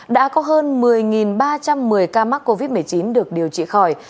đã có hơn một mươi ba trăm một mươi ca mắc covid một mươi chín được điều trị khỏi